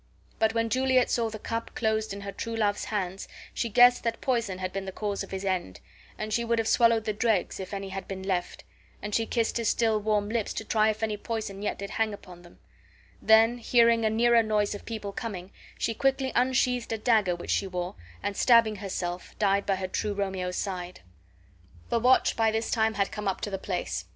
But when Juliet saw the cup closed in her true love's hands, she guessed that poison had been the cause of his end, and she would have swallowed the dregs if any had been left, and she kissed his still warm lips to try if any poison yet did hang upon them; then hearing a nearer noise of people coming, she quickly unsheathed a dagger which she wore, and, stabbing herself, died by her true Romeo's side. The watch by this time had come up to the place.